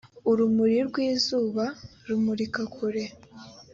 urumuri rwizuba rumurika kure.